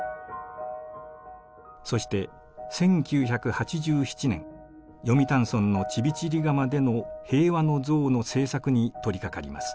そして１９８７年読谷村のチビチリガマでの「平和の像」の制作に取りかかります。